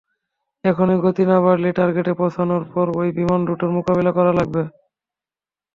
এখনই গতি না বাড়ালে, টার্গেটে পৌঁছানোর পর ঐ বিমান দুটোর মোকাবিলা করা লাগবে।